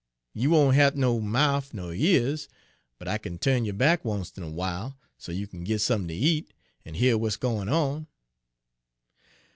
'You won't hate no mouf ner years, but I kin turn you back oncet in a w'ile, so you kin git sump'n ter eat, en hear w'at's gwine on.'